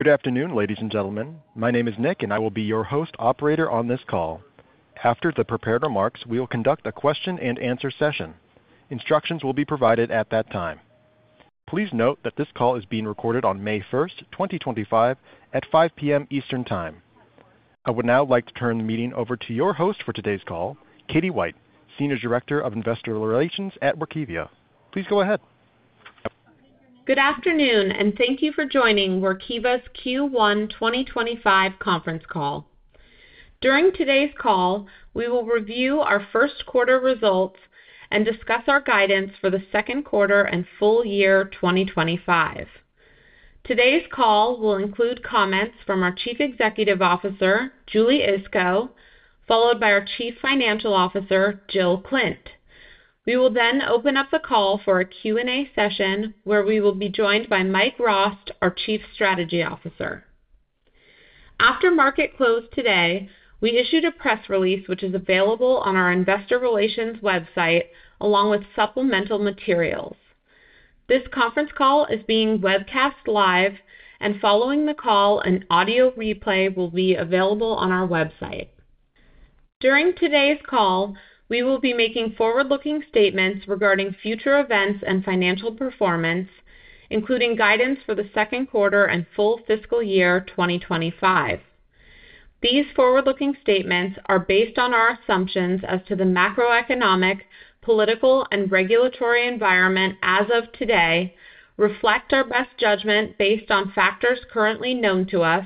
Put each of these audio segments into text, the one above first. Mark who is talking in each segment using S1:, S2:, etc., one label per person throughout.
S1: Good afternoon, ladies and gentlemen. My name is Nick, and I will be your host operator on this call. After the prepared remarks, we will conduct a question-and-answer session. Instructions will be provided at that time. Please note that this call is being recorded on May 1st, 2025, at 5:00 P.M. Eastern Time. I would now like to turn the meeting over to your host for today's call, Katie White, Senior Director of Investor Relations at Workiva. Please go ahead.
S2: Good afternoon, and thank you for joining Workiva's Q1 2025 Conference Call. During today's call, we will review our first quarter results and discuss our guidance for the second quarter and full year 2025. Today's call will include comments from our Chief Executive Officer, Julie Iskow, followed by our Chief Financial Officer, Jill Klindt. We will then open up the call for a Q&A session where we will be joined by Mike Rost, our Chief Strategy Officer. After market close today, we issued a press release which is available on our Investor Relations website along with supplemental materials. This conference call is being webcast live, and following the call, an audio replay will be available on our website. During today's call, we will be making forward-looking statements regarding future events and financial performance, including guidance for the second quarter and full fiscal year 2025. These forward-looking statements are based on our assumptions as to the macroeconomic, political, and regulatory environment as of today, reflect our best judgment based on factors currently known to us,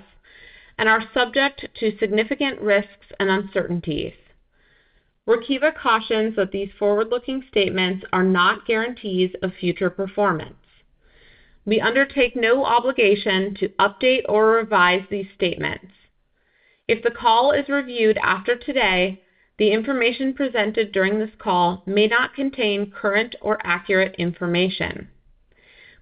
S2: and are subject to significant risks and uncertainties. Workiva cautions that these forward-looking statements are not guarantees of future performance. We undertake no obligation to update or revise these statements. If the call is reviewed after today, the information presented during this call may not contain current or accurate information.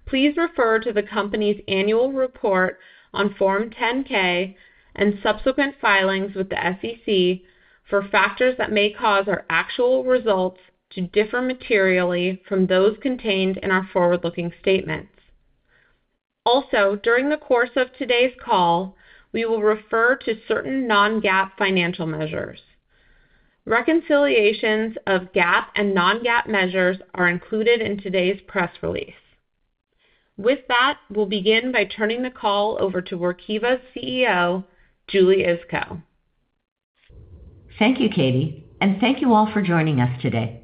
S2: Please refer to the company's annual report on Form 10-K and subsequent filings with the SEC for factors that may cause our actual results to differ materially from those contained in our forward-looking statements. Also, during the course of today's call, we will refer to certain non-GAAP financial measures. Reconciliations of GAAP and non-GAAP measures are included in today's press release. With that, we'll begin by turning the call over to Workiva's CEO, Julie Iskow.
S3: Thank you, Katie, and thank you all for joining us today.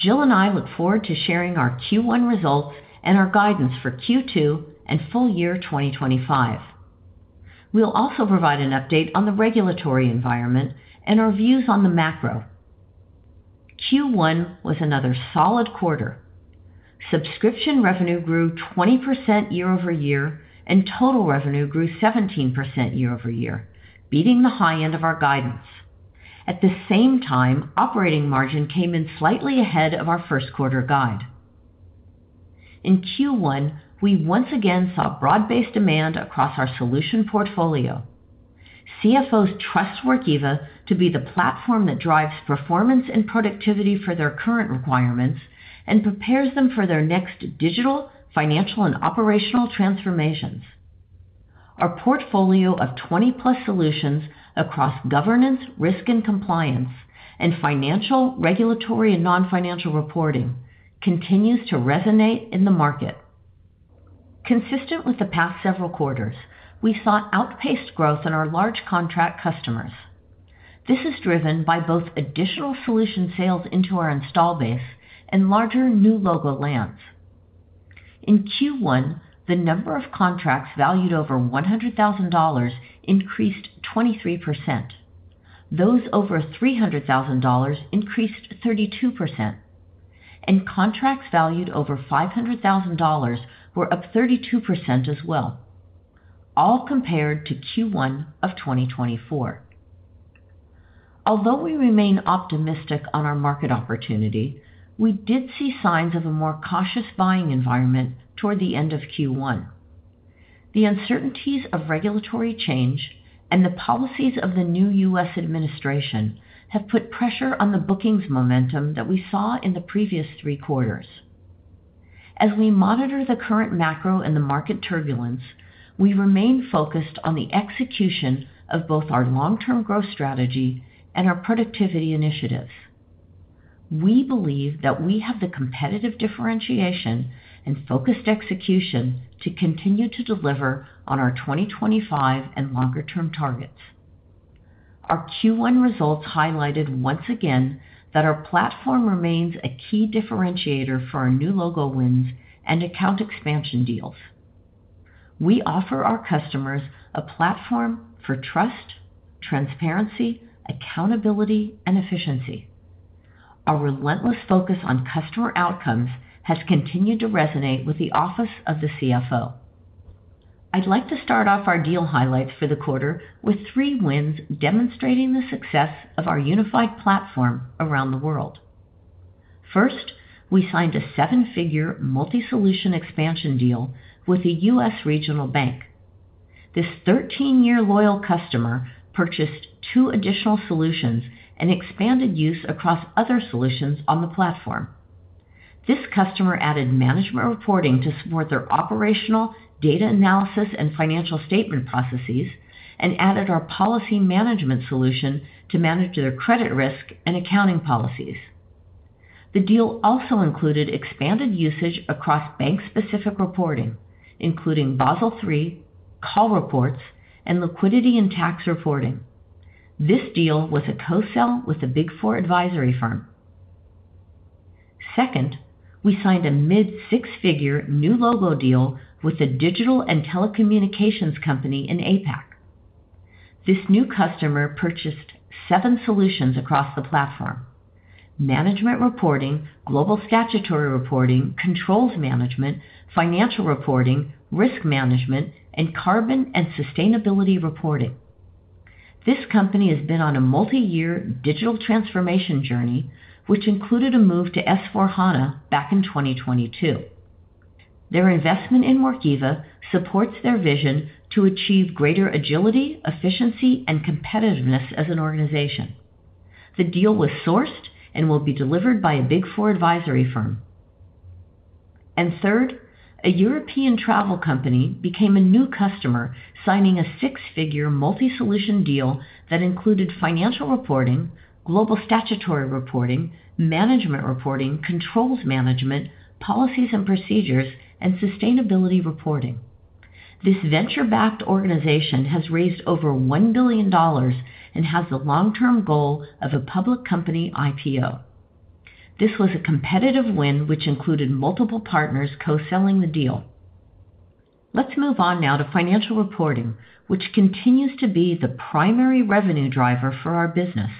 S3: Jill and I look forward to sharing our Q1 results and our guidance for Q2 and full year 2025. We'll also provide an update on the regulatory environment and our views on the macro. Q1 was another solid quarter. Subscription revenue grew 20% year over year, and total revenue grew 17% year over year, beating the high end of our guidance. At the same time, operating margin came in slightly ahead of our first quarter guide. In Q1, we once again saw broad-based demand across our solution portfolio. CFOs trust Workiva to be the platform that drives performance and productivity for their current requirements and prepares them for their next digital, financial, and operational transformations. Our portfolio of 20-plus solutions across governance, risk, and compliance, and financial, regulatory, and non-financial reporting continues to resonate in the market. Consistent with the past several quarters, we saw outpaced growth in our large contract customers. This is driven by both additional solution sales into our install base and larger new logo lands. In Q1, the number of contracts valued over $100,000 increased 23%. Those over $300,000 increased 32%. Contracts valued over $500,000 were up 32% as well, all compared to Q1 of 2024. Although we remain optimistic on our market opportunity, we did see signs of a more cautious buying environment toward the end of Q1. The uncertainties of regulatory change and the policies of the new U.S. administration have put pressure on the bookings momentum that we saw in the previous three quarters. As we monitor the current macro and the market turbulence, we remain focused on the execution of both our long-term growth strategy and our productivity initiatives. We believe that we have the competitive differentiation and focused execution to continue to deliver on our 2025 and longer-term targets. Our Q1 results highlighted once again that our platform remains a key differentiator for our new logo wins and account expansion deals. We offer our customers a platform for trust, transparency, accountability, and efficiency. Our relentless focus on customer outcomes has continued to resonate with the Office of the CFO. I'd like to start off our deal highlights for the quarter with three wins demonstrating the success of our unified platform around the world. First, we signed a seven-figure multi-solution expansion deal with a U.S. regional bank. This 13-year loyal customer purchased two additional solutions and expanded use across other solutions on the platform. This customer added management reporting to support their operational data analysis and financial statement processes and added our policy management solution to manage their credit risk and accounting policies. The deal also included expanded usage across bank-specific reporting, including Basel III, Call Reports, and liquidity and tax reporting. This deal was a co-sell with a Big Four advisory firm. Second, we signed a mid-six-figure new logo deal with a digital and telecommunications company in APAC. This new customer purchased seven solutions across the platform: management reporting, global statutory reporting, controls management, financial reporting, risk management, and carbon and sustainability reporting. This company has been on a multi-year digital transformation journey, which included a move to S/4HANA back in 2022. Their investment in Workiva supports their vision to achieve greater agility, efficiency, and competitiveness as an organization. The deal was sourced and will be delivered by a Big Four advisory firm. Third, a European travel company became a new customer, signing a six-figure multi-solution deal that included financial reporting, global statutory reporting, management reporting, controls management, policies and procedures, and sustainability reporting. This venture-backed organization has raised over $1 billion and has the long-term goal of a public company IPO. This was a competitive win, which included multiple partners co-selling the deal. Let's move on now to financial reporting, which continues to be the primary revenue driver for our business.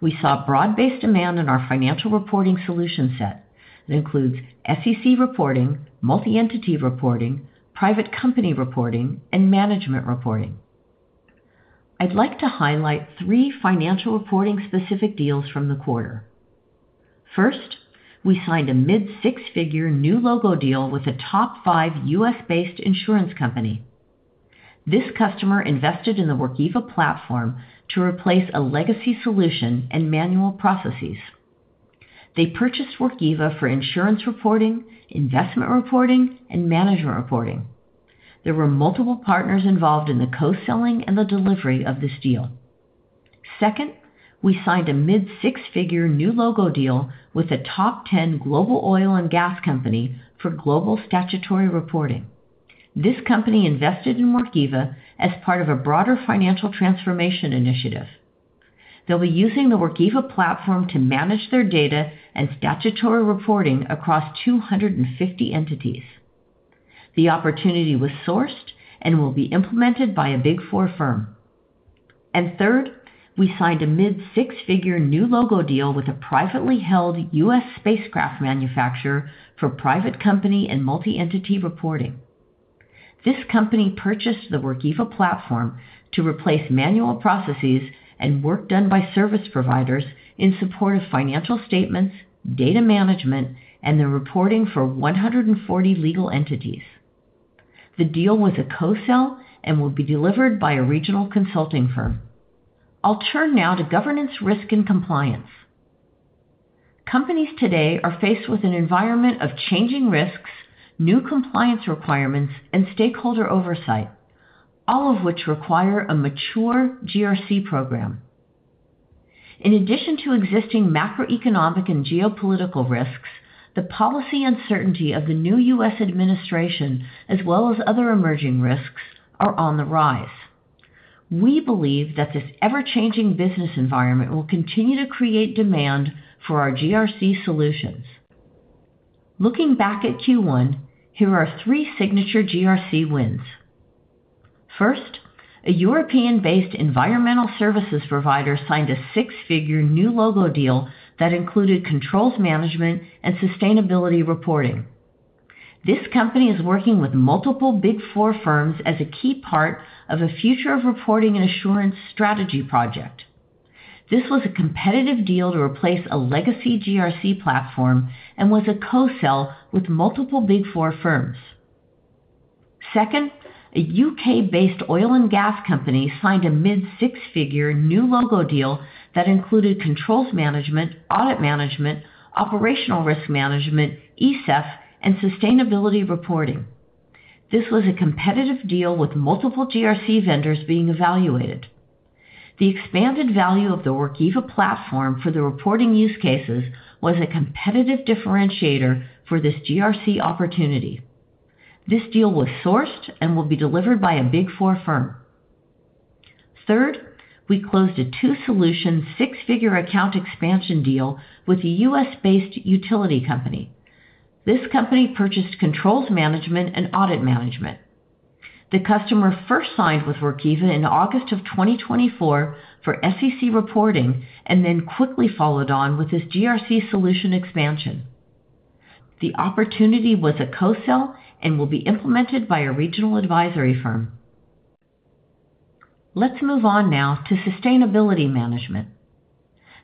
S3: We saw broad-based demand in our financial reporting solution set. It includes SEC reporting, multi-entity reporting, private company reporting, and management reporting. I'd like to highlight three financial reporting-specific deals from the quarter. First, we signed a mid-six-figure new logo deal with a top-five U.S.-based insurance company. This customer invested in the Workiva platform to replace a legacy solution and manual processes. They purchased Workiva for insurance reporting, investment reporting, and management reporting. There were multiple partners involved in the co-selling and the delivery of this deal. Second, we signed a mid-six-figure new logo deal with a top-ten global oil and gas company for global statutory reporting. This company invested in Workiva as part of a broader financial transformation initiative. They'll be using the Workiva platform to manage their data and statutory reporting across 250 entities. The opportunity was sourced and will be implemented by a Big Four firm. Third, we signed a mid-six-figure new logo deal with a privately held U.S. spacecraft manufacturer for private company and multi-entity reporting. This company purchased the Workiva platform to replace manual processes and work done by service providers in support of financial statements, data management, and the reporting for 140 legal entities. The deal was a co-sell and will be delivered by a regional consulting firm. I'll turn now to governance, risk, and compliance. Companies today are faced with an environment of changing risks, new compliance requirements, and stakeholder oversight, all of which require a mature GRC program. In addition to existing macroeconomic and geopolitical risks, the policy uncertainty of the new U.S. administration, as well as other emerging risks, are on the rise. We believe that this ever-changing business environment will continue to create demand for our GRC solutions. Looking back at Q1, here are three signature GRC wins. First, a European-based environmental services provider signed a six-figure new logo deal that included controls management and sustainability reporting. This company is working with multiple Big Four firms as a key part of a future reporting and assurance strategy project. This was a competitive deal to replace a legacy GRC platform and was a co-sell with multiple Big Four firms. Second, a U.K.-based oil and gas company signed a mid-six-figure new logo deal that included controls management, audit management, operational risk management, ESEF, and sustainability reporting. This was a competitive deal with multiple GRC vendors being evaluated. The expanded value of the Workiva platform for the reporting use cases was a competitive differentiator for this GRC opportunity. This deal was sourced and will be delivered by a Big Four firm. Third, we closed a two-solution six-figure account expansion deal with a U.S.-based utility company. This company purchased controls management and audit management. The customer first signed with Workiva in August of 2024 for SEC reporting and then quickly followed on with this GRC solution expansion. The opportunity was a co-sell and will be implemented by a regional advisory firm. Let's move on now to sustainability management.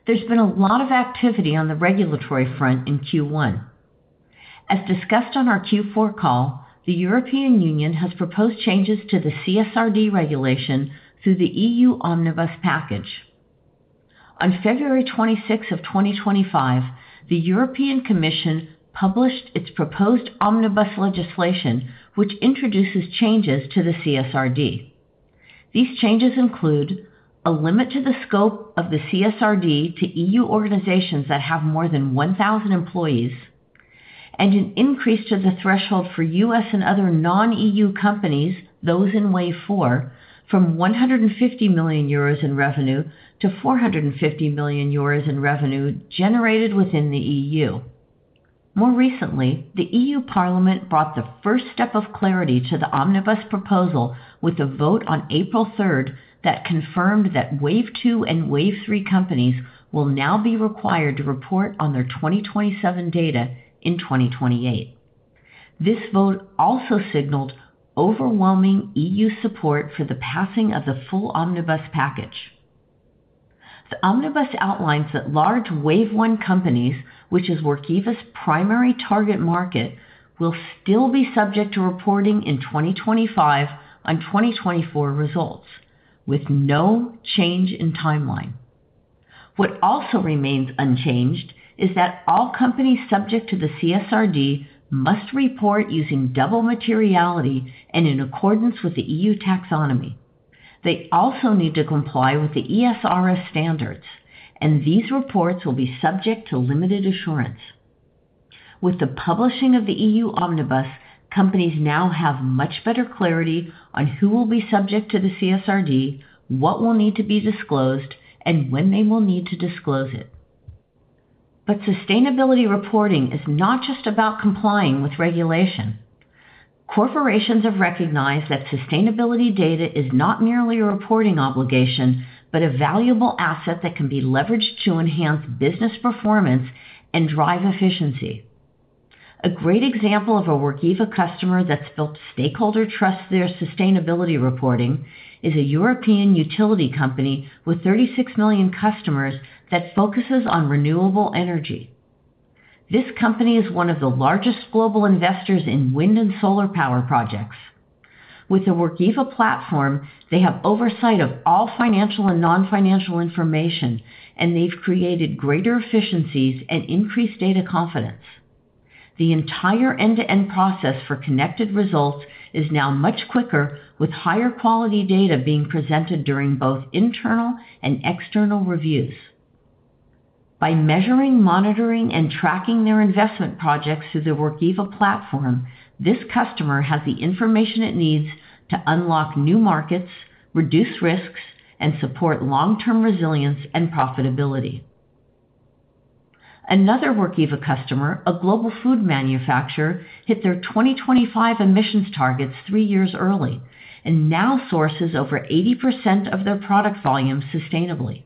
S3: There's been a lot of activity on the regulatory front in Q1. As discussed on our Q4 call, the European Union has proposed changes to the CSRD regulation through the E.U. omnibus package. On February 26 of 2025, the European Commission published its proposed Omnibus legislation, which introduces changes to the CSRD. These changes include a limit to the scope of the CSRD to E.U. organizations that have more than 1,000 employees and an increase to the threshold for U.S. and other non-E.U. companies, those in wave four, from 150 million euros in revenue to 450 million euros in revenue generated within the E.U. More recently, the E.U. Parliament brought the first step of clarity to the Omnibus proposal with a vote on April 3 that confirmed that wave two and wave three companies will now be required to report on their 2027 data in 2028. This vote also signaled overwhelming E.U. support for the passing of the full omnibus package. The Omnibus outlines that large wave one companies, which is Workiva's primary target market, will still be subject to reporting in 2025 on 2024 results, with no change in timeline. What also remains unchanged is that all companies subject to the CSRD must report using double materiality and in accordance with the E.U. Taxonomy. They also need to comply with the ESRS standards, and these reports will be subject to limited assurance. With the publishing of the E.U. Omnibus, companies now have much better clarity on who will be subject to the CSRD, what will need to be disclosed, and when they will need to disclose it. Sustainability reporting is not just about complying with regulation. Corporations have recognized that sustainability data is not merely a reporting obligation, but a valuable asset that can be leveraged to enhance business performance and drive efficiency. A great example of a Workiva customer that's built stakeholder trust through their sustainability reporting is a European utility company with 36 million customers that focuses on renewable energy. This company is one of the largest global investors in wind and solar power projects. With the Workiva platform, they have oversight of all financial and non-financial information, and they've created greater efficiencies and increased data confidence. The entire end-to-end process for connected results is now much quicker, with higher quality data being presented during both internal and external reviews. By measuring, monitoring, and tracking their investment projects through the Workiva platform, this customer has the information it needs to unlock new markets, reduce risks, and support long-term resilience and profitability. Another Workiva customer, a global food manufacturer, hit their 2025 emissions targets three years early and now sources over 80% of their product volume sustainably.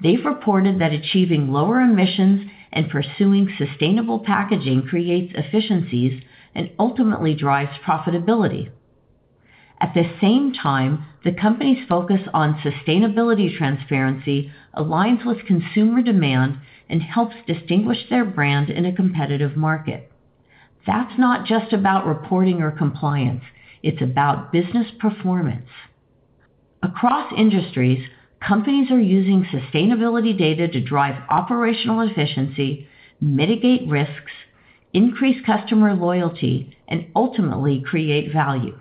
S3: They've reported that achieving lower emissions and pursuing sustainable packaging creates efficiencies and ultimately drives profitability. At the same time, the company's focus on sustainability transparency aligns with consumer demand and helps distinguish their brand in a competitive market. That is not just about reporting or compliance; it is about business performance. Across industries, companies are using sustainability data to drive operational efficiency, mitigate risks, increase customer loyalty, and ultimately create value.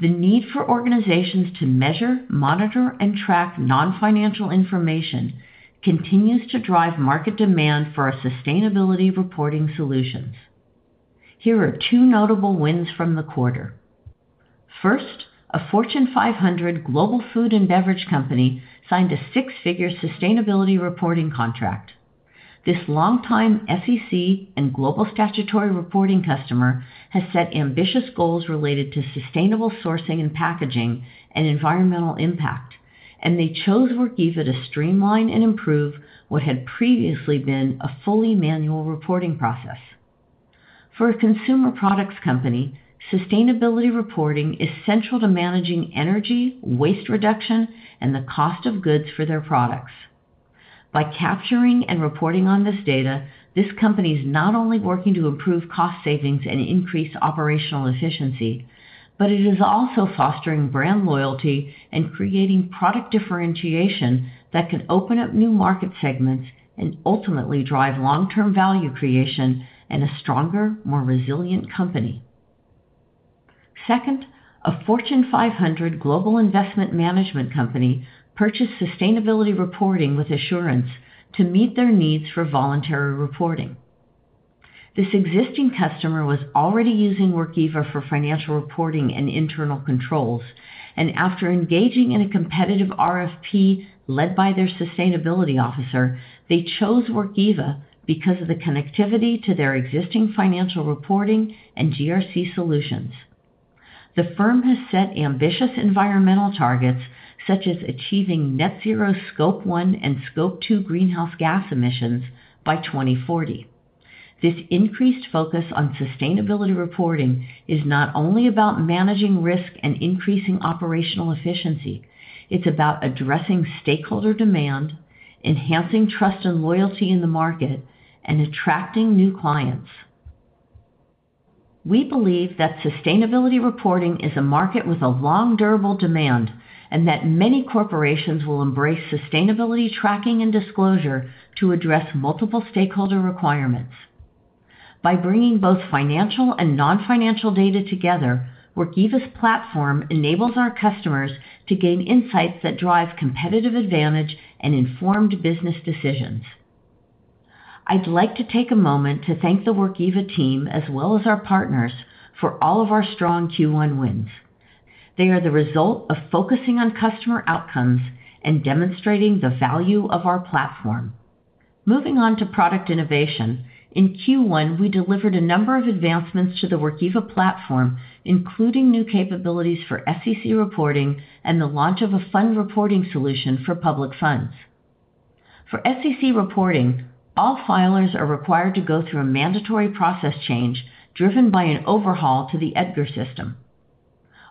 S3: The need for organizations to measure, monitor, and track non-financial information continues to drive market demand for sustainability reporting solutions. Here are two notable wins from the quarter. First, a Fortune 500 global food and beverage company signed a six-figure sustainability reporting contract. This longtime SEC and global statutory reporting customer has set ambitious goals related to sustainable sourcing and packaging and environmental impact, and they chose Workiva to streamline and improve what had previously been a fully manual reporting process. For a consumer products company, sustainability reporting is central to managing energy, waste reduction, and the cost of goods for their products. By capturing and reporting on this data, this company is not only working to improve cost savings and increase operational efficiency, but it is also fostering brand loyalty and creating product differentiation that can open up new market segments and ultimately drive long-term value creation and a stronger, more resilient company. Second, a Fortune 500 global investment management company purchased sustainability reporting with assurance to meet their needs for voluntary reporting. This existing customer was already using Workiva for financial reporting and internal controls, and after engaging in a competitive RFP led by their sustainability officer, they chose Workiva because of the connectivity to their existing financial reporting and GRC solutions. The firm has set ambitious environmental targets such as achieving net zero Scope 1 and Scope 2 greenhouse gas emissions by 2040. This increased focus on sustainability reporting is not only about managing risk and increasing operational efficiency. It's about addressing stakeholder demand, enhancing trust and loyalty in the market, and attracting new clients. We believe that sustainability reporting is a market with a long durable demand and that many corporations will embrace sustainability tracking and disclosure to address multiple stakeholder requirements. By bringing both financial and non-financial data together, Workiva's platform enables our customers to gain insights that drive competitive advantage and informed business decisions. I'd like to take a moment to thank the Workiva team as well as our partners for all of our strong Q1 wins. They are the result of focusing on customer outcomes and demonstrating the value of our platform. Moving on to product innovation, in Q1, we delivered a number of advancements to the Workiva platform, including new capabilities for SEC reporting and the launch of a fund reporting solution for public funds. For SEC reporting, all filers are required to go through a mandatory process change driven by an overhaul to the EDGAR system.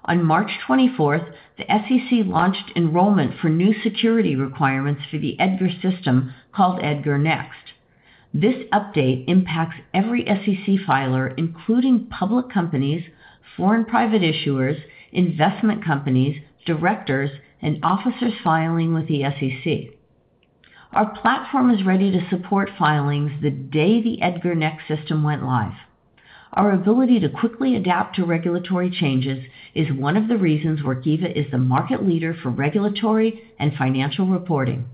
S3: On March 24th, the SEC launched enrollment for new security requirements for the EDGAR system called EDGAR Next. This update impacts every SEC filer, including public companies, foreign private issuers, investment companies, directors, and officers filing with the SEC. Our platform is ready to support filings the day the EDGAR Next system went live. Our ability to quickly adapt to regulatory changes is one of the reasons Workiva is the market leader for regulatory and financial reporting.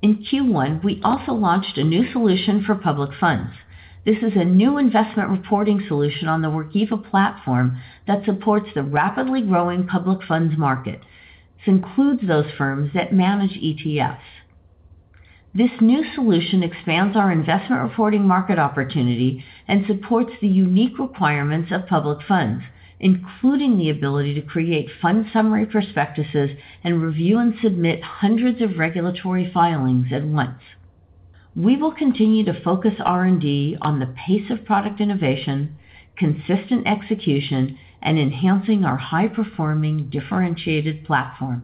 S3: In Q1, we also launched a new solution for public funds. This is a new investment reporting solution on the Workiva platform that supports the rapidly growing public funds market. This includes those firms that manage ETFs. This new solution expands our investment reporting market opportunity and supports the unique requirements of public funds, including the ability to create fund summary prospectuses and review and submit hundreds of regulatory filings at once. We will continue to focus R&D on the pace of product innovation, consistent execution, and enhancing our high-performing differentiated platform.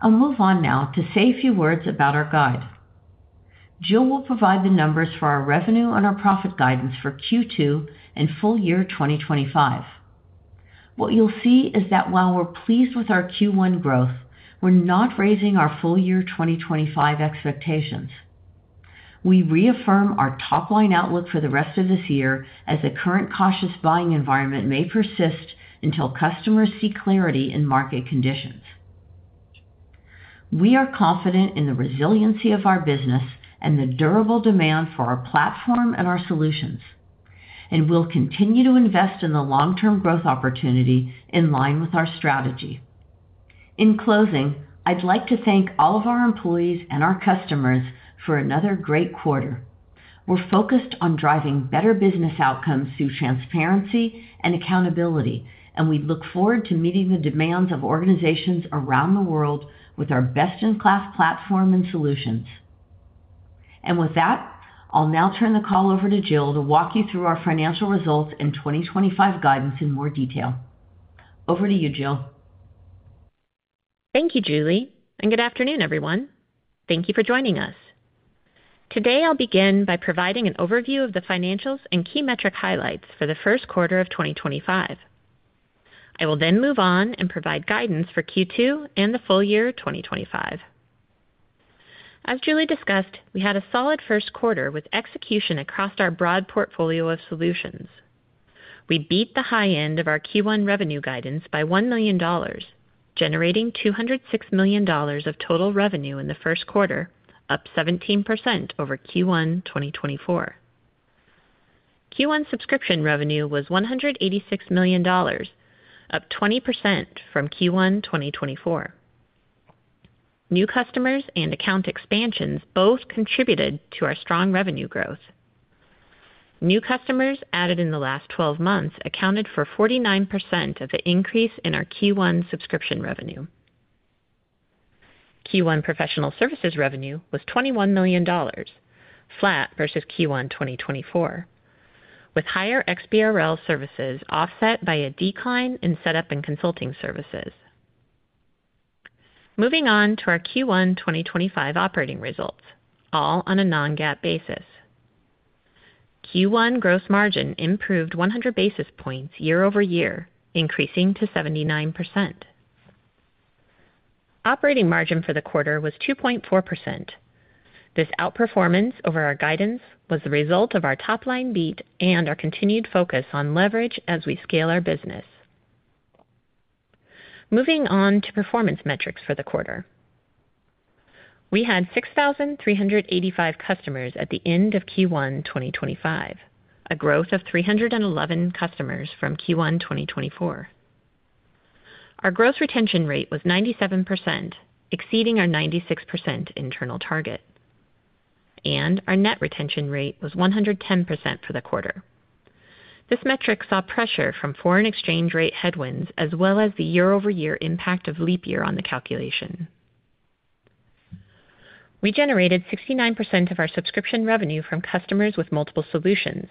S3: I'll move on now to say a few words about our guide. Jill will provide the numbers for our revenue and our profit guidance for Q2 and full year 2025. What you'll see is that while we're pleased with our Q1 growth, we're not raising our full year 2025 expectations. We reaffirm our top line outlook for the rest of this year as the current cautious buying environment may persist until customers see clarity in market conditions. We are confident in the resiliency of our business and the durable demand for our platform and our solutions, and we will continue to invest in the long-term growth opportunity in line with our strategy. In closing, I would like to thank all of our employees and our customers for another great quarter. We are focused on driving better business outcomes through transparency and accountability, and we look forward to meeting the demands of organizations around the world with our best-in-class platform and solutions. I will now turn the call over to Jill to walk you through our financial results and 2025 guidance in more detail. Over to you, Jill.
S4: Thank you, Julie, and good afternoon, everyone. Thank you for joining us. Today, I'll begin by providing an overview of the financials and key metric highlights for the first quarter of 2025. I will then move on and provide guidance for Q2 and the full year 2025. As Julie discussed, we had a solid first quarter with execution across our broad portfolio of solutions. We beat the high end of our Q1 revenue guidance by $1 million, generating $206 million of total revenue in the first quarter, up 17% over Q1 2024. Q1 subscription revenue was $186 million, up 20% from Q1 2024. New customers and account expansions both contributed to our strong revenue growth. New customers added in the last 12 months accounted for 49% of the increase in our Q1 subscription revenue. Q1 professional services revenue was $21 million, flat versus Q1 2024, with higher XBRL services offset by a decline in setup and consulting services. Moving on to our Q1 2025 operating results, all on a non-GAAP basis. Q1 gross margin improved 100 basis points year over year, increasing to 79%. Operating margin for the quarter was 2.4%. This outperformance over our guidance was the result of our top line beat and our continued focus on leverage as we scale our business. Moving on to performance metrics for the quarter. We had 6,385 customers at the end of Q1 2025, a growth of 311 customers from Q1 2024. Our gross retention rate was 97%, exceeding our 96% internal target, and our net retention rate was 110% for the quarter. This metric saw pressure from foreign exchange rate headwinds as well as the year-over-year impact of leap year on the calculation. We generated 69% of our subscription revenue from customers with multiple solutions,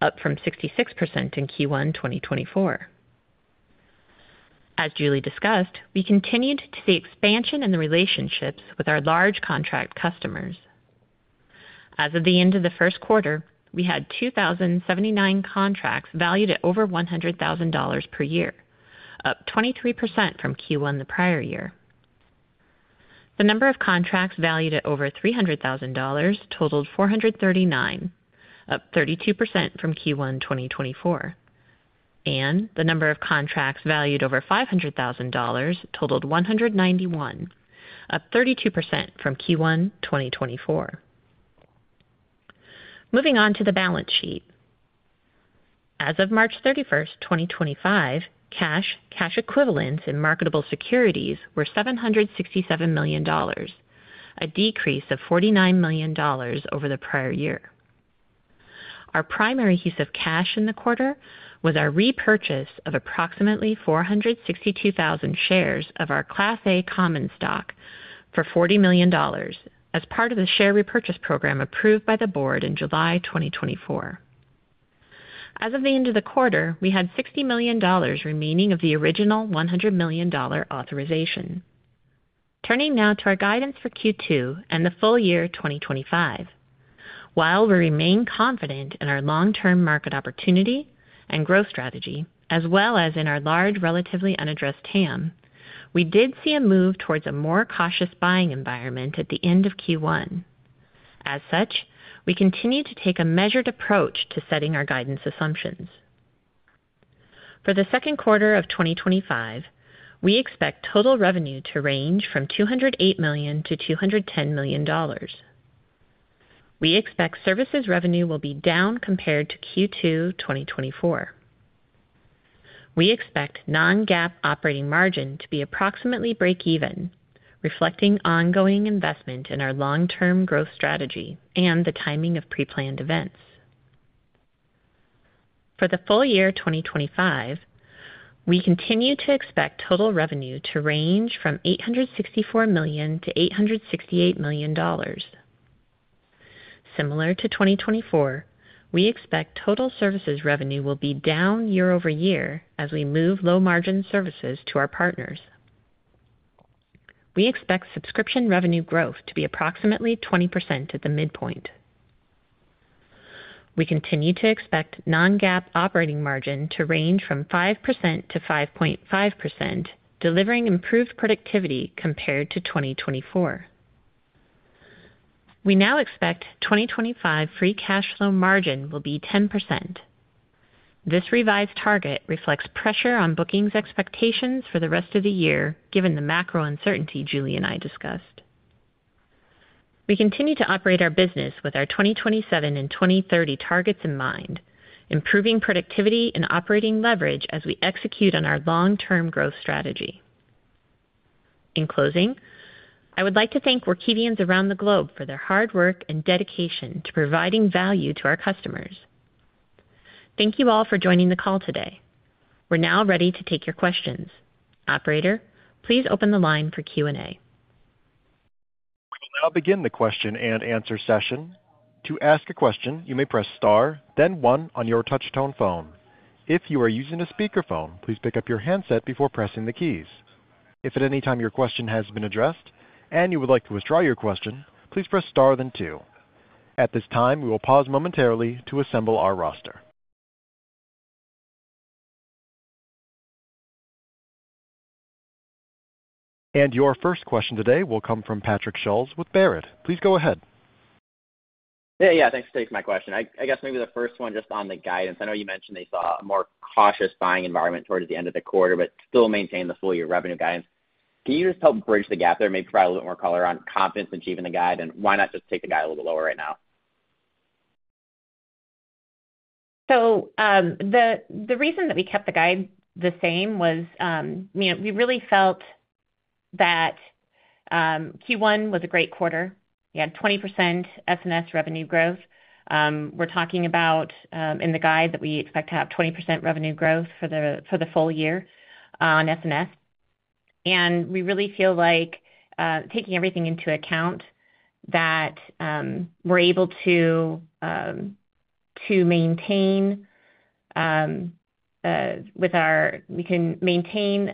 S4: up from 66% in Q1 2024. As Julie discussed, we continued to see expansion in the relationships with our large contract customers. As of the end of the first quarter, we had 2,079 contracts valued at over $100,000 per year, up 23% from Q1 the prior year. The number of contracts valued at over $300,000 totaled 439, up 32% from Q1 2024, and the number of contracts valued over $500,000 totaled 191, up 32% from Q1 2024. Moving on to the balance sheet. As of March 31, 2025, cash, cash equivalents, and marketable securities were $767 million, a decrease of $49 million over the prior year. Our primary use of cash in the quarter was our repurchase of approximately 462,000 shares of our Class A Common Stock for $40 million as part of the share repurchase program approved by the board in July 2024. As of the end of the quarter, we had $60 million remaining of the original $100 million authorization. Turning now to our guidance for Q2 and the full year 2025. While we remain confident in our long-term market opportunity and growth strategy, as well as in our large relatively unaddressed TAM, we did see a move towards a more cautious buying environment at the end of Q1. As such, we continue to take a measured approach to setting our guidance assumptions. For the second quarter of 2025, we expect total revenue to range from $208 million-$210 million. We expect services revenue will be down compared to Q2 2024. We expect non-GAAP operating margin to be approximately break-even, reflecting ongoing investment in our long-term growth strategy and the timing of pre-planned events. For the full year 2025, we continue to expect total revenue to range from $864 million-$868 million. Similar to 2024, we expect total services revenue will be down year over year as we move low-margin services to our partners. We expect subscription revenue growth to be approximately 20% at the midpoint. We continue to expect non-GAAP operating margin to range from 5%-5.5%, delivering improved productivity compared to 2024. We now expect 2025 free cash flow margin will be 10%. This revised target reflects pressure on bookings expectations for the rest of the year given the macro uncertainty Julie and I discussed. We continue to operate our business with our 2027 and 2030 targets in mind, improving productivity and operating leverage as we execute on our long-term growth strategy. In closing, I would like to thank Workivians around the globe for their hard work and dedication to providing value to our customers. Thank you all for joining the call today. We're now ready to take your questions. Operator, please open the line for Q&A.
S1: We will now begin the question and answer session. To ask a question, you may press star, then one on your touch-tone phone. If you are using a speakerphone, please pick up your handset before pressing the keys. If at any time your question has been addressed and you would like to withdraw your question, please press star, then two. At this time, we will pause momentarily to assemble our roster. Your first question today will come from Patrick Schulz with Baird. Please go ahead.
S5: Yeah, thanks for taking my question. I guess maybe the first one just on the guidance. I know you mentioned they saw a more cautious buying environment towards the end of the quarter, but still maintain the full year revenue guidance. Can you just help bridge the gap there and maybe provide a little bit more color on confidence in achieving the guide? Why not just take the guide a little bit lower right now?
S4: The reason that we kept the guide the same was we really felt that Q1 was a great quarter. We had 20% S&S revenue growth. We're talking about in the guide that we expect to have 20% revenue growth for the full year on S&S. We really feel like taking everything into account that we're able to maintain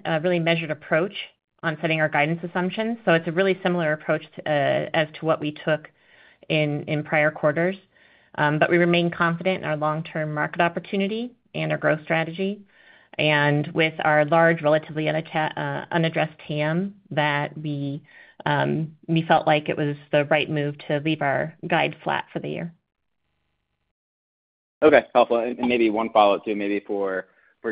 S4: a really measured approach on setting our guidance assumptions. It's a really similar approach as to what we took in prior quarters. We remain confident in our long-term market opportunity and our growth strategy. With our large relatively unaddressed TAM, we felt like it was the right move to leave our guide flat for the year.
S5: Okay, helpful. Maybe one follow-up too, maybe for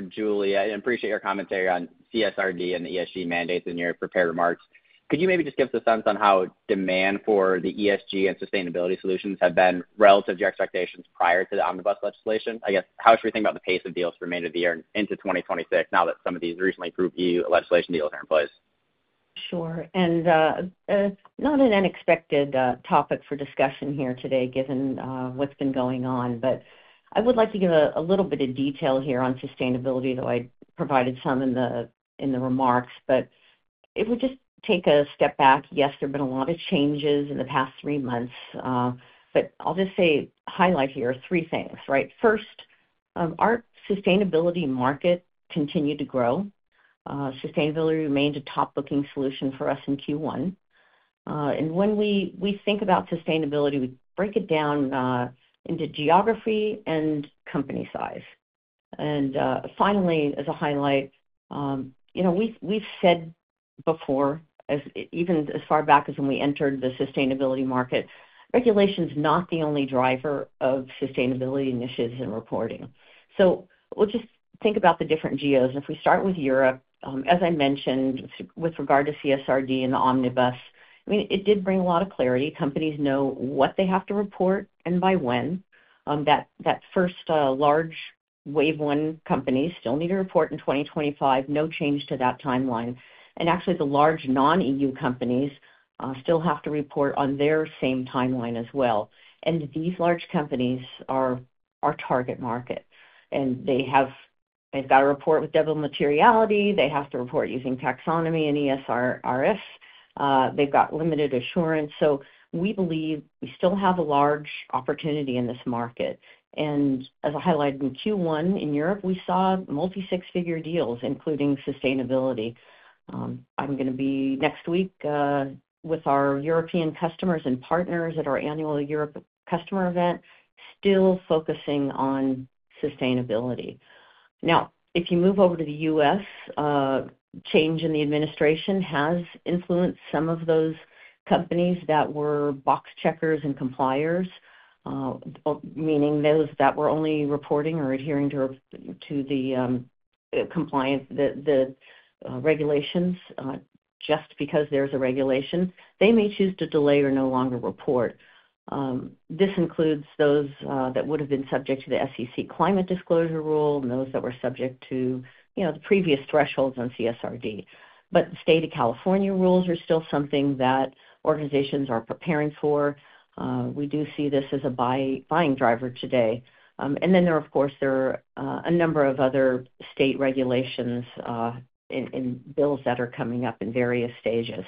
S5: Julie. I appreciate your commentary on CSRD and the ESG mandates in your prepared remarks. Could you maybe just give us a sense on how demand for the ESG and sustainability solutions have been relative to your expectations prior to the omnibus legislation? I guess, how should we think about the pace of deals for the remainder of the year into 2026 now that some of these recently approved E.U. legislation deals are in place?
S3: Sure. Not an unexpected topic for discussion here today given what's been going on, but I would like to give a little bit of detail here on sustainability, though I provided some in the remarks. If we just take a step back, yes, there have been a lot of changes in the past three months. I'll just say highlight here three things, right? First, our sustainability market continued to grow. Sustainability remained a top-looking solution for us in Q1. When we think about sustainability, we break it down into geography and company size. Finally, as a highlight, we've said before, even as far back as when we entered the sustainability market, regulation is not the only driver of sustainability initiatives and reporting. We'll just think about the different geos. If we start with Europe, as I mentioned, with regard to CSRD and the Omnibus, I mean, it did bring a lot of clarity. Companies know what they have to report and by when. That first large wave one companies still need to report in 2025, no change to that timeline. Actually, the large non-E.U. companies still have to report on their same timeline as well. These large companies are our target market. They have got to report with double materiality. They have to report using taxonomy and ESRS. They have got limited assurance. We believe we still have a large opportunity in this market. As a highlight in Q1 in Europe, we saw multi-six-figure deals, including sustainability. I am going to be next week with our European customers and partners at our annual Europe customer event, still focusing on sustainability. Now, if you move over to the U.S., change in the administration has influenced some of those companies that were box checkers and compliers, meaning those that were only reporting or adhering to the regulations just because there's a regulation. They may choose to delay or no longer report. This includes those that would have been subject to the SEC climate disclosure rule and those that were subject to the previous thresholds on CSRD. The state of California rules are still something that organizations are preparing for. We do see this as a buying driver today. There are, of course, a number of other state regulations and bills that are coming up in various stages.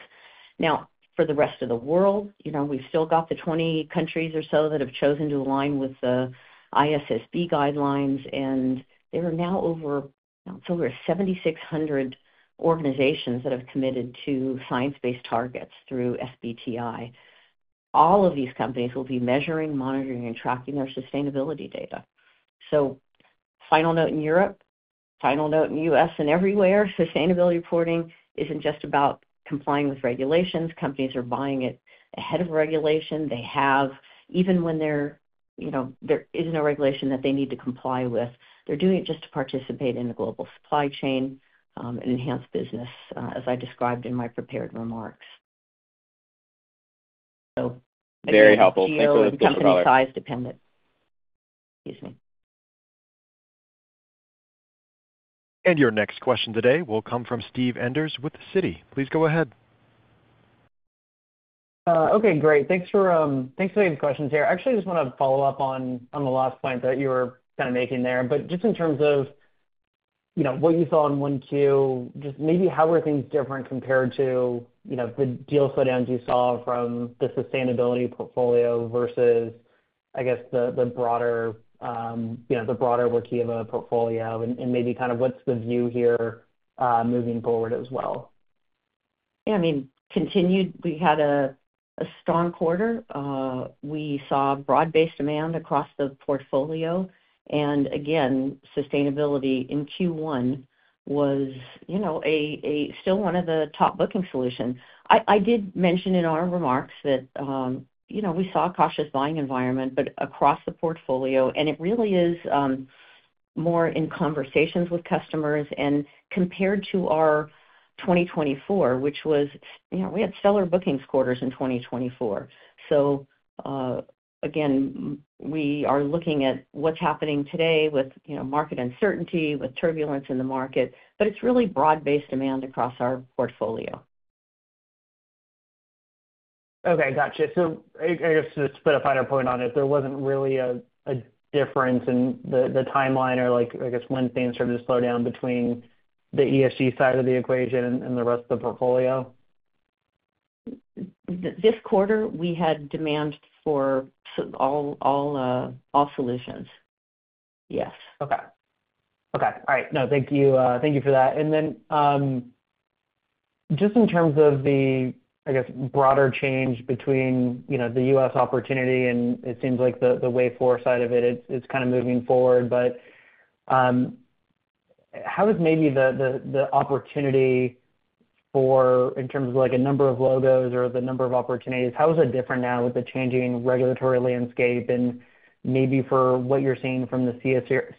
S3: For the rest of the world, we've still got the 20 countries or so that have chosen to align with the ISSB guidelines. There are now over, it's over 7,600 organizations that have committed to science-based targets through SBTi. All of these companies will be measuring, monitoring, and tracking their sustainability data. Final note in Europe, final note in the U.S. and everywhere, sustainability reporting isn't just about complying with regulations. Companies are buying it ahead of regulation. They have, even when there is no regulation that they need to comply with, they're doing it just to participate in the global supply chain and enhance business, as I described in my prepared remarks.
S5: Thank you. Very helpful. Thank you for that.
S3: It's entirely size-dependent. Excuse me.
S5: Your next question today will come from Steve Enders with Citi. Please go ahead.
S6: Okay, great. Thanks for the questions here. Actually, I just want to follow up on the last point that you were kind of making there. Just in terms of what you saw in one queue, just maybe how were things different compared to the deal slowdowns you saw from the sustainability portfolio versus, I guess, the broader Workiva portfolio? Maybe kind of what's the view here moving forward as well?
S3: Yeah, I mean, continued. We had a strong quarter. We saw broad-based demand across the portfolio. Again, sustainability in Q1 was still one of the top booking solutions. I did mention in our remarks that we saw a cautious buying environment, but across the portfolio. It really is more in conversations with customers and compared to our 2024, which was we had stellar bookings quarters in 2024. Again, we are looking at what's happening today with market uncertainty, with turbulence in the market, but it's really broad-based demand across our portfolio.
S6: Okay, gotcha. I guess to just put a finer point on it, there was not really a difference in the timeline or, I guess, when things started to slow down between the ESG side of the equation and the rest of the portfolio.
S3: This quarter, we had demand for all solutions. Yes. Okay. Okay. All right. No, thank you for that. In terms of the, I guess, broader change between the U.S. opportunity and it seems like the wave four side of it is kind of moving forward, how is maybe the opportunity for, in terms of a number of logos or the number of opportunities, how is it different now with the changing regulatory landscape and maybe for what you are seeing from the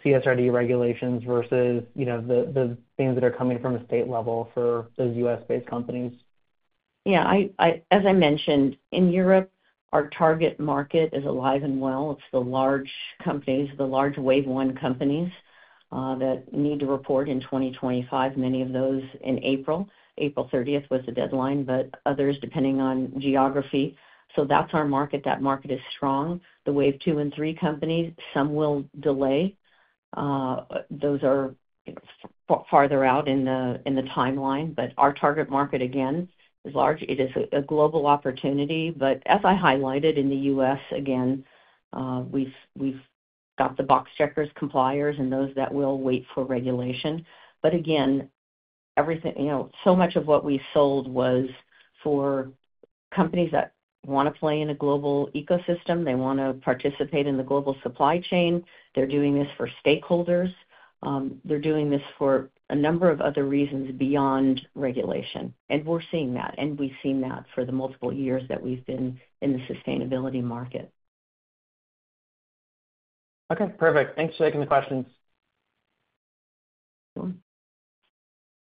S3: CSRD regulations versus the things that are coming from the state level for those U.S.-based companies? Yeah. As I mentioned, in Europe, our target market is alive and well. It's the large companies, the large wave one companies that need to report in 2025, many of those in April. April 30 was the deadline, but others depending on geography. That is our market. That market is strong. The wave two and three companies, some will delay. Those are farther out in the timeline. Our target market, again, is large. It is a global opportunity. As I highlighted in the U.S., again, we've got the box checkers, compliers, and those that will wait for regulation. So much of what we sold was for companies that want to play in a global ecosystem. They want to participate in the global supply chain. They're doing this for stakeholders. They're doing this for a number of other reasons beyond regulation. We're seeing that. We have seen that for the multiple years that we have been in the sustainability market.
S6: Okay. Perfect. Thanks for taking the questions.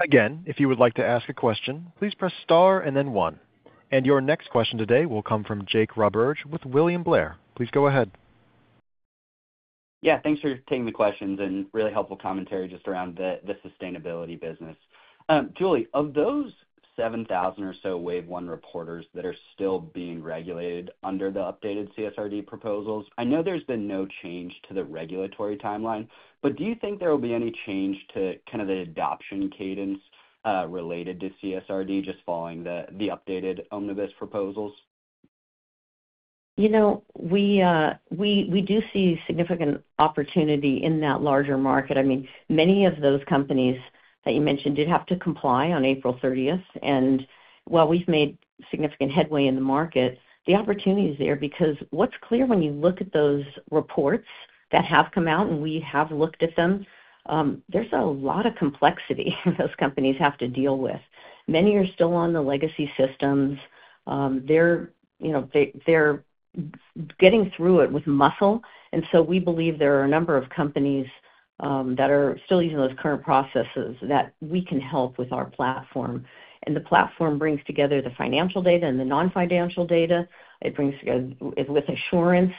S1: Again, if you would like to ask a question, please press star and then one. Your next question today will come from Jake Roberge with William Blair. Please go ahead.
S7: Yeah. Thanks for taking the questions and really helpful commentary just around the sustainability business. Julie, of those 7,000 or so wave one reporters that are still being regulated under the updated CSRD proposals, I know there has been no change to the regulatory timeline, but do you think there will be any change to kind of the adoption cadence related to CSRD just following the updated omnibus proposals?
S3: We do see significant opportunity in that larger market. I mean, many of those companies that you mentioned did have to comply on April 30. While we've made significant headway in the market, the opportunity is there because what's clear when you look at those reports that have come out and we have looked at them, there's a lot of complexity those companies have to deal with. Many are still on the legacy systems. They're getting through it with muscle. We believe there are a number of companies that are still using those current processes that we can help with our platform. The platform brings together the financial data and the non-financial data. It brings together with assurance.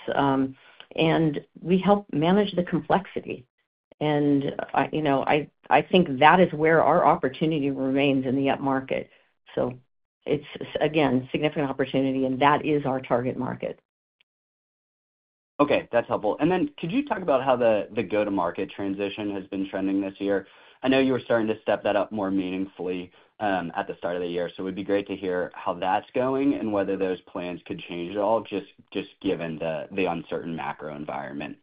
S3: We help manage the complexity. I think that is where our opportunity remains in the upmarket. It is, again, significant opportunity, and that is our target market.
S7: Okay. That's helpful. Could you talk about how the go-to-market transition has been trending this year? I know you were starting to step that up more meaningfully at the start of the year. It would be great to hear how that's going and whether those plans could change at all, just given the uncertain macro environment.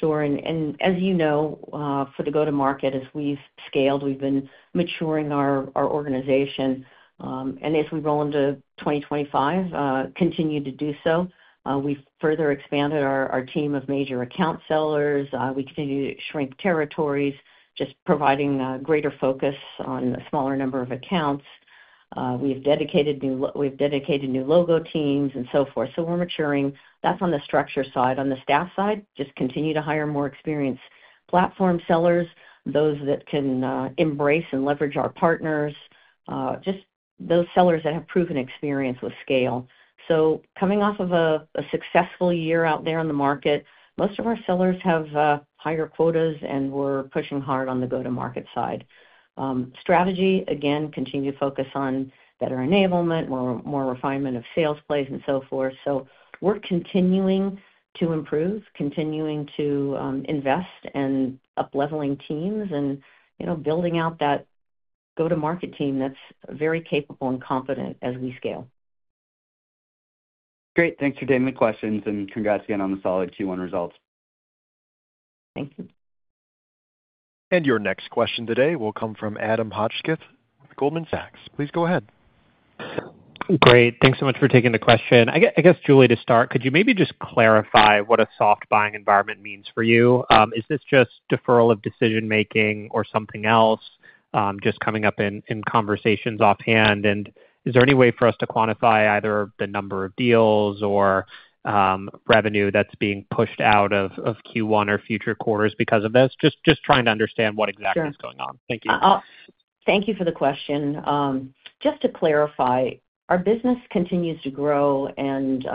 S3: Sure. As you know, for the go-to-market, as we've scaled, we've been maturing our organization. As we roll into 2025, we continue to do so. We've further expanded our team of major account sellers. We continue to shrink territories, just providing greater focus on a smaller number of accounts. We've dedicated new logo teams and so forth. We're maturing. That's on the structure side. On the staff side, we just continue to hire more experienced platform sellers, those that can embrace and leverage our partners, just those sellers that have proven experience with scale. Coming off of a successful year out there on the market, most of our sellers have higher quotas, and we're pushing hard on the go-to-market side. Strategy, again, continue to focus on better enablement, more refinement of sales plays and so forth. We're continuing to improve, continuing to invest and upleveling teams and building out that go-to-market team that's very capable and competent as we scale. Great. Thanks for taking the questions and congrats again on the solid Q1 results. Thank you.
S1: Your next question today will come from Adam Hotchkiss with Goldman Sachs. Please go ahead.
S8: Great. Thanks so much for taking the question. I guess, Julie, to start, could you maybe just clarify what a soft buying environment means for you? Is this just deferral of decision-making or something else just coming up in conversations offhand? Is there any way for us to quantify either the number of deals or revenue that's being pushed out of Q1 or future quarters because of this? Just trying to understand what exactly is going on. Thank you.
S3: Thank you for the question. Just to clarify, our business continues to grow, and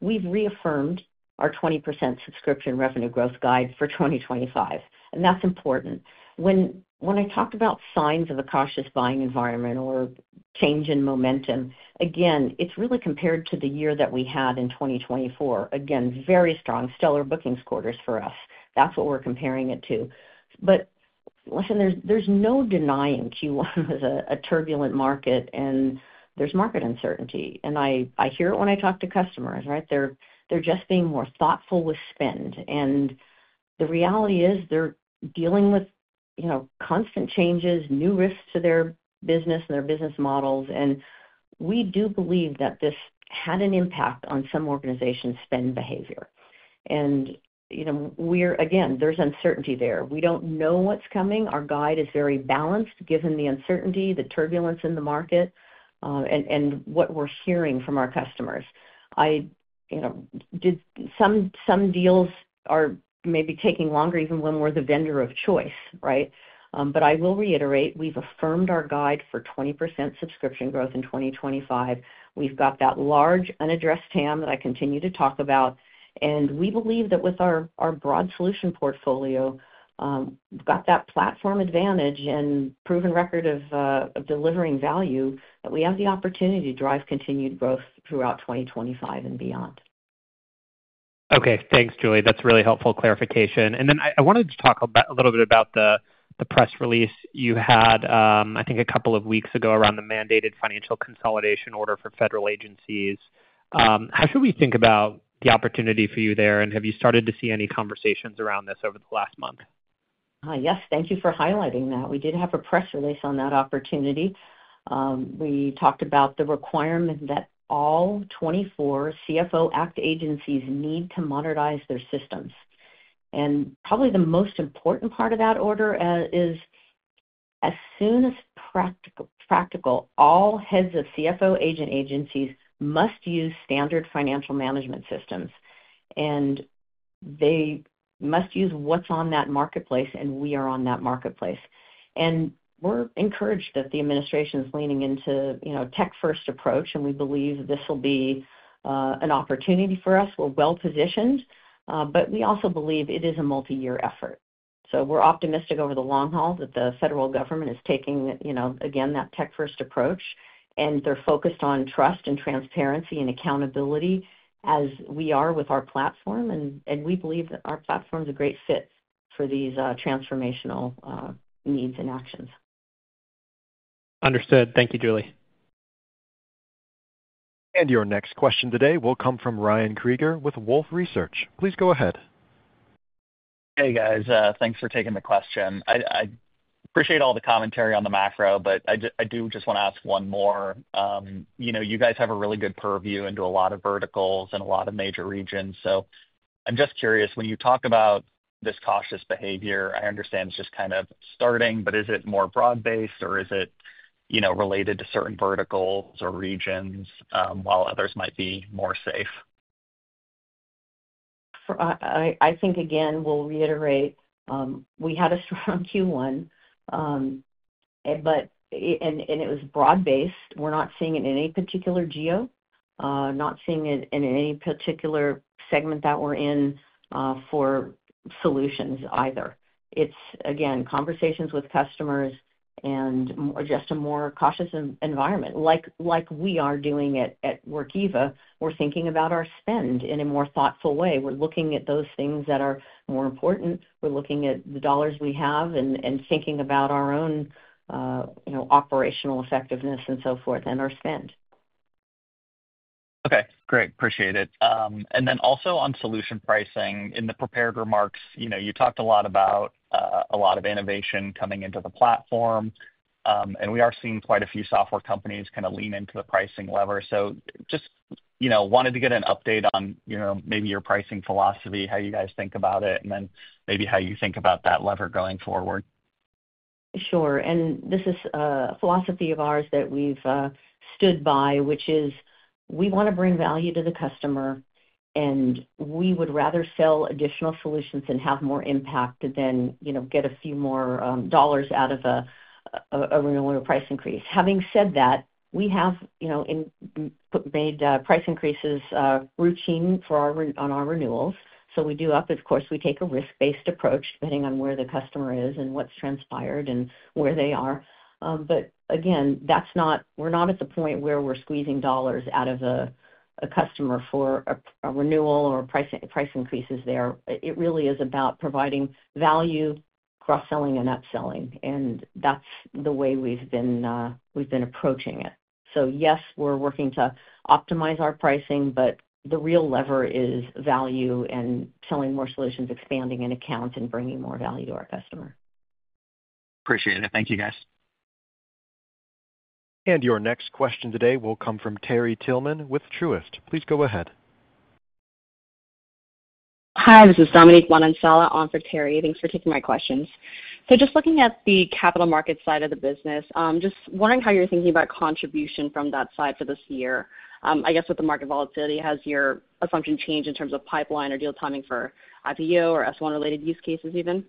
S3: we've reaffirmed our 20% subscription revenue growth guide for 2025. That's important. When I talked about signs of a cautious buying environment or change in momentum, again, it's really compared to the year that we had in 2024. Very strong, stellar bookings quarters for us. That's what we're comparing it to. Listen, there's no denying Q1 was a turbulent market, and there's market uncertainty. I hear it when I talk to customers, right? They're just being more thoughtful with spend. The reality is they're dealing with constant changes, new risks to their business and their business models. We do believe that this had an impact on some organization's spend behavior. Again, there's uncertainty there. We don't know what's coming. Our guide is very balanced given the uncertainty, the turbulence in the market, and what we're hearing from our customers. Some deals are maybe taking longer even when we're the vendor of choice, right? I will reiterate, we've affirmed our guide for 20% subscription growth in 2025. We've got that large unaddressed TAM that I continue to talk about. We believe that with our broad solution portfolio, we've got that platform advantage and proven record of delivering value, that we have the opportunity to drive continued growth throughout 2025 and beyond.
S8: Okay. Thanks, Julie. That's a really helpful clarification. I wanted to talk a little bit about the press release you had, I think, a couple of weeks ago around the mandated financial consolidation order for federal agencies. How should we think about the opportunity for you there? Have you started to see any conversations around this over the last month?
S3: Yes. Thank you for highlighting that. We did have a press release on that opportunity. We talked about the requirement that all 24 CFO Act agencies need to modernize their systems. Probably the most important part of that order is, as soon as practical, all heads of CFO Act agencies must use standard financial management systems. They must use what is on that marketplace, and we are on that marketplace. We are encouraged that the administration is leaning into a tech-first approach, and we believe this will be an opportunity for us. We're well-positioned, but we also believe it is a multi-year effort. We're optimistic over the long haul that the federal government is taking, again, that tech-first approach, and they're focused on trust and transparency and accountability as we are with our platform. We believe that our platform is a great fit for these transformational needs and actions.
S8: Understood. Thank you, Julie.
S1: Your next question today will come from Ryan Krieger with Wolfe Research. Please go ahead.
S9: Hey, guys. Thanks for taking the question. I appreciate all the commentary on the macro, but I do just want to ask one more. You guys have a really good purview into a lot of verticals and a lot of major regions. I'm just curious, when you talk about this cautious behavior, I understand it's just kind of starting, but is it more broad-based, or is it related to certain verticals or regions while others might be more safe?
S3: I think, again, we'll reiterate, we had a strong Q1, and it was broad-based. We're not seeing it in any particular geo, not seeing it in any particular segment that we're in for solutions either. It's, again, conversations with customers and just a more cautious environment. Like we are doing it at Workiva, we're thinking about our spend in a more thoughtful way. We're looking at those things that are more important. We're looking at the dollars we have and thinking about our own operational effectiveness and so forth and our spend.
S9: Okay. Great. Appreciate it. On solution pricing, in the prepared remarks, you talked a lot about a lot of innovation coming into the platform. We are seeing quite a few software companies kind of lean into the pricing lever. I just wanted to get an update on maybe your pricing philosophy, how you guys think about it, and then maybe how you think about that lever going forward.
S3: Sure. This is a philosophy of ours that we've stood by, which is we want to bring value to the customer, and we would rather sell additional solutions and have more impact than get a few more dollars out of a renewal or price increase. Having said that, we have made price increases routine on our renewals. We do, of course, take a risk-based approach depending on where the customer is and what's transpired and where they are. Again, we're not at the point where we're squeezing dollars out of a customer for a renewal or price increases there. It really is about providing value, cross-selling, and upselling. That's the way we've been approaching it. Yes, we're working to optimize our pricing, but the real lever is value and selling more solutions, expanding an account, and bringing more value to our customer.
S9: Appreciate it. Thank you, guys. Your next question today will come from Terry Tillman with Truist. Please go ahead.
S10: Hi. This is Dominique Manansala on for Terry. Thanks for taking my questions. Just looking at the capital market side of the business, just wondering how you're thinking about contribution from that side for this year. I guess with the market volatility, has your assumption changed in terms of pipeline or deal timing for IPO or S-1-related use cases even?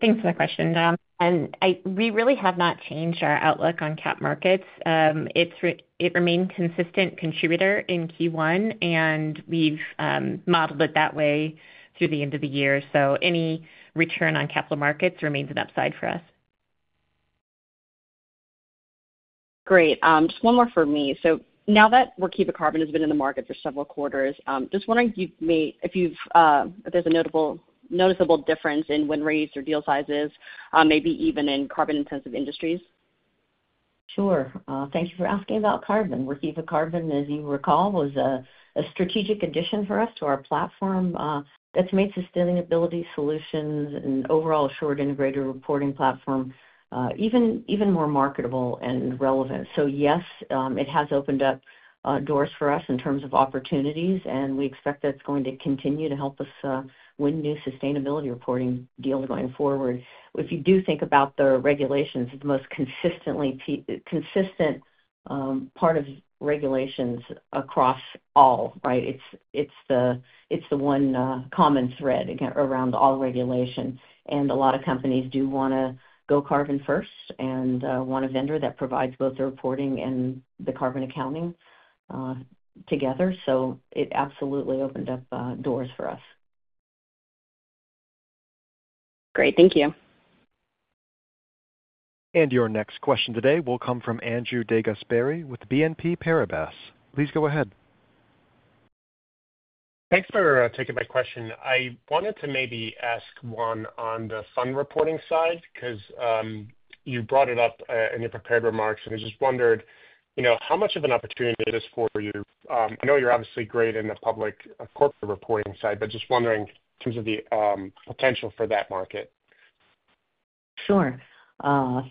S3: Thanks for the question. We really have not changed our outlook on cap markets. It remained a consistent contributor in Q1, and we've modeled it that way through the end of the year. Any return on capital markets remains an upside for us.
S10: Great. Just one more for me. Now that Workiva Carbon has been in the market for several quarters, just wondering if there's a noticeable difference in win rates or deal sizes, maybe even in carbon-intensive industries.
S3: Sure. Thank you for asking about carbon. Workiva Carbon, as you recall, was a strategic addition for us to our platform that's made sustainability solutions and overall assured integrator reporting platform even more marketable and relevant. Yes, it has opened up doors for us in terms of opportunities, and we expect that it's going to continue to help us win new sustainability reporting deals going forward. If you do think about the regulations, it's the most consistent part of regulations across all, right? It's the one common thread around all regulation. A lot of companies do want to go carbon first and want a vendor that provides both the reporting and the carbon accounting together. It absolutely opened up doors for us.
S10: Great. Thank you.
S1: Your next question today will come from Andrew DeGasperi with BNP Paribas. Please go ahead.
S11: Thanks for taking my question. I wanted to maybe ask one on the fund reporting side because you brought it up in your prepared remarks, and I just wondered how much of an opportunity it is for you. I know you're obviously great in the public corporate reporting side, but just wondering in terms of the potential for that market.
S3: Sure.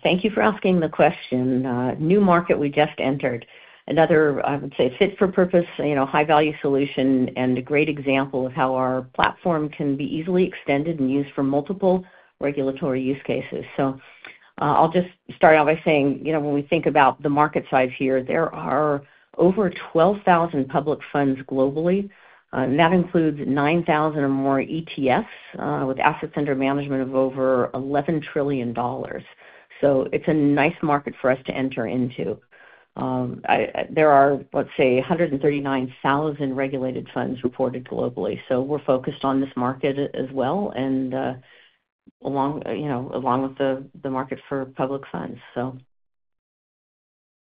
S3: Thank you for asking the question. New market we just entered. Another, I would say, fit for purpose, high-value solution and a great example of how our platform can be easily extended and used for multiple regulatory use cases. I'll just start out by saying when we think about the market size here, there are over 12,000 public funds globally. That includes 9,000 or more ETFs with assets under management of over $11 trillion. It's a nice market for us to enter into. There are, let's say, 139,000 regulated funds reported globally. We're focused on this market as well and along with the market for public funds.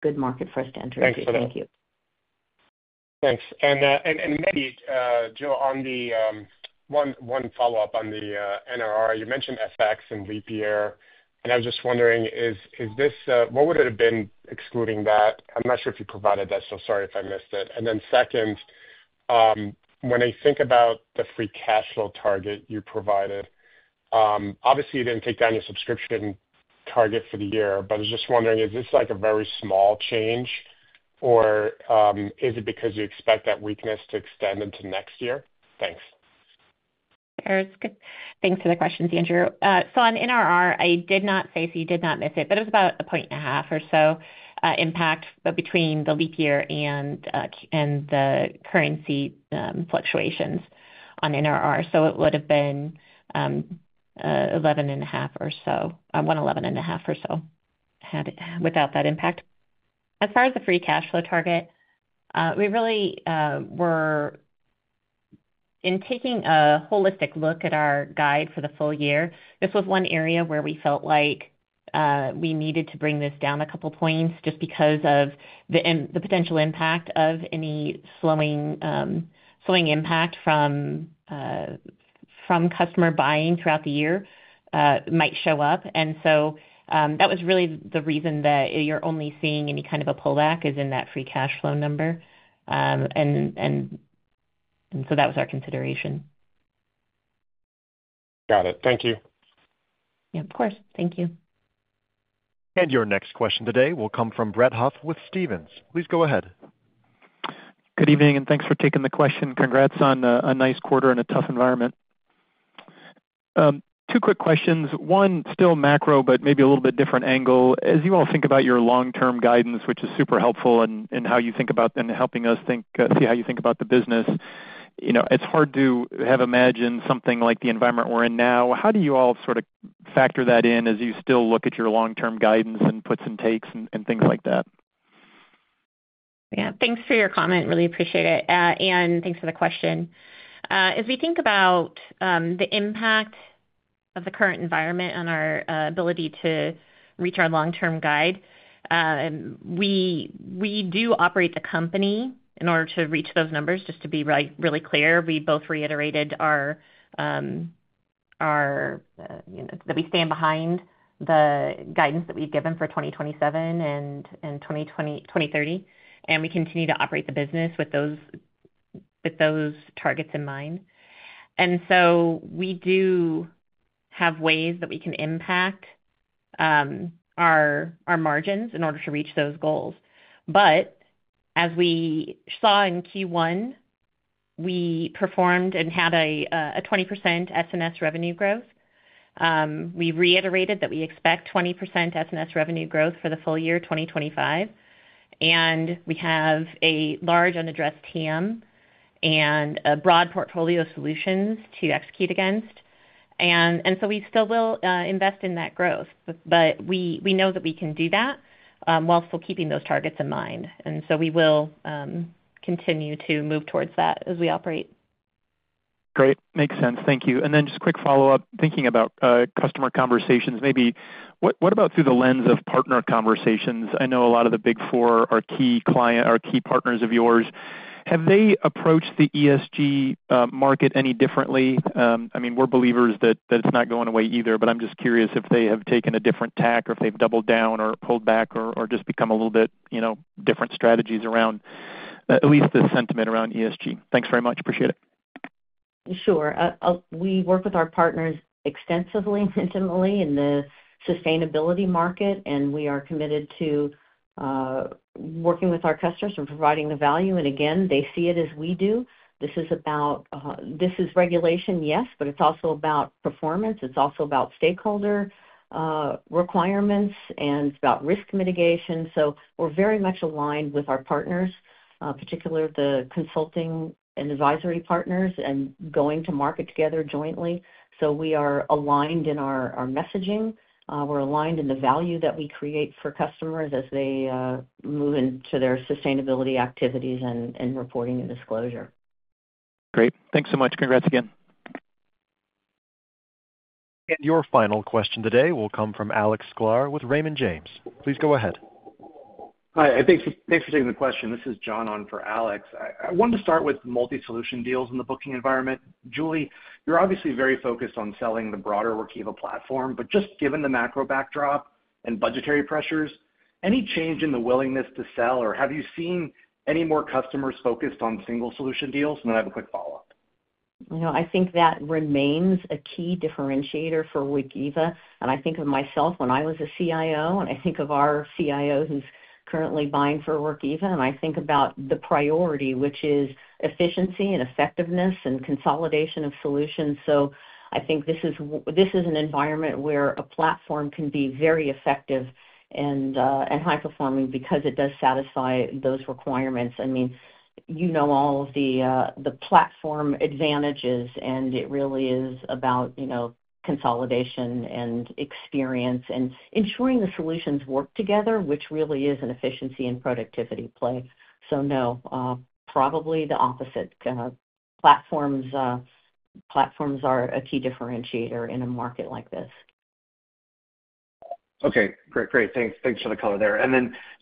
S3: Good market for us to enter. Thank you.
S11: Thanks. Maybe, Jill, one follow-up on the NRR. You mentioned FX and LIBOR. I was just wondering, what would it have been excluding that? I'm not sure if you provided that, so sorry if I missed it. Then second, when I think about the free cash flow target you provided, obviously, you did not take down your subscription target for the year, but I was just wondering, is this a very small change, or is it because you expect that weakness to extend into next year? Thanks.
S3: Thanks for the questions, Andrew. On NRR, I did not say, so you did not miss it, but it was about a point and a half or so impact between the LIBOR and the currency fluctuations on NRR. It would have been 11 and a half or so, 111 and a half or so without that impact. As far as the free cash flow target, we really were, in taking a holistic look at our guide for the full year, this was one area where we felt like we needed to bring this down a couple of points just because of the potential impact of any slowing impact from customer buying throughout the year might show up. That was really the reason that you're only seeing any kind of a pullback is in that free cash flow number. That was our consideration.
S11: Got it. Thank you.
S3: Yeah, of course. Thank you.
S1: Your next question today will come from Brett Huff with Stephens. Please go ahead.
S12: Good evening, and thanks for taking the question. Congrats on a nice quarter in a tough environment. Two quick questions. One, still macro, but maybe a little bit different angle. As you all think about your long-term guidance, which is super helpful in how you think about and helping us see how you think about the business, it's hard to have imagined something like the environment we're in now. How do you all sort of factor that in as you still look at your long-term guidance and puts and takes and things like that?
S3: Yeah. Thanks for your comment. Really appreciate it. Thanks for the question. As we think about the impact of the current environment on our ability to reach our long-term guide, we do operate the company in order to reach those numbers. Just to be really clear, we both reiterated that we stand behind the guidance that we've given for 2027 and 2030, and we continue to operate the business with those targets in mind. We do have ways that we can impact our margins in order to reach those goals. As we saw in Q1, we performed and had a 20% S&S revenue growth. We reiterated that we expect 20% S&S revenue growth for the full year, 2025. We have a large unaddressed TAM and a broad portfolio of solutions to execute against. We still will invest in that growth, but we know that we can do that while still keeping those targets in mind. We will continue to move towards that as we operate.
S12: Great. Makes sense. Thank you. Just quick follow-up, thinking about customer conversations, maybe what about through the lens of partner conversations? I know a lot of the Big Four are key partners of yours. Have they approached the ESG market any differently? I mean, we're believers that it's not going away either, but I'm just curious if they have taken a different tack or if they've doubled down or pulled back or just become a little bit different strategies around at least the sentiment around ESG. Thanks very much. Appreciate it.
S3: Sure. We work with our partners extensively and intimately in the sustainability market, and we are committed to working with our customers and providing the value. Again, they see it as we do. This is about regulation, yes, but it's also about performance. It's also about stakeholder requirements, and it's about risk mitigation. We are very much aligned with our partners, particularly the consulting and advisory partners, and going to market together jointly. We are aligned in our messaging. We're aligned in the value that we create for customers as they move into their sustainability activities and reporting and disclosure.
S12: Great. Thanks so much. Congrats again.
S1: Your final question today will come from Alex Sklar with Raymond James. Please go ahead. Hi. Thanks for taking the question. This is John on for Alex. I wanted to start with multi-solution deals in the booking environment. Julie, you're obviously very focused on selling the broader Workiva platform, but just given the macro backdrop and budgetary pressures, any change in the willingness to sell, or have you seen any more customers focused on single-solution deals? I have a quick follow-up.
S3: I think that remains a key differentiator for Workiva. I think of myself when I was a CIO, and I think of our CIO who's currently buying for Workiva, and I think about the priority, which is efficiency and effectiveness and consolidation of solutions. I think this is an environment where a platform can be very effective and high-performing because it does satisfy those requirements. I mean, you know all of the platform advantages, and it really is about consolidation and experience and ensuring the solutions work together, which really is an efficiency and productivity play. No, probably the opposite. Platforms are a key differentiator in a market like this. Okay. Great. Thanks for the color there.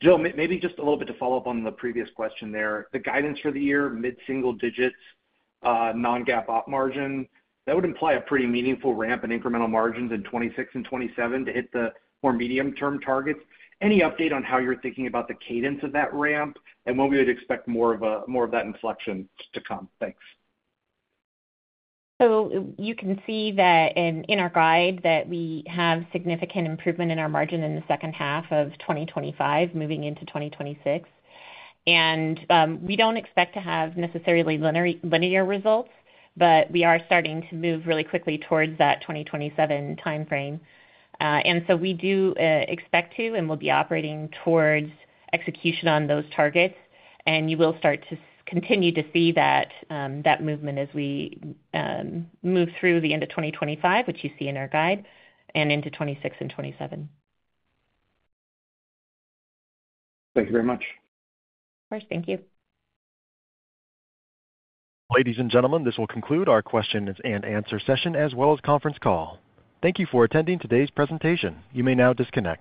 S3: Jill, maybe just a little bit to follow up on the previous question there. The guidance for the year, mid-single digits, non-GAAP op margin, that would imply a pretty meaningful ramp in incremental margins in 2026 and 2027 to hit the more medium-term targets. Any update on how you're thinking about the cadence of that ramp and when we would expect more of that inflection to come? Thanks. You can see that in our guide that we have significant improvement in our margin in the second half of 2025 moving into 2026. We do not expect to have necessarily linear results, but we are starting to move really quickly towards that 2027 timeframe. We do expect to, and we'll be operating towards execution on those targets. You will start to continue to see that movement as we move through the end of 2025, which you see in our guide, and into 2026 and 2027. Thank you very much. Of course. Thank you.
S1: Ladies and gentlemen, this will conclude our question and answer session as well as conference call. Thank you for attending today's presentation. You may now disconnect.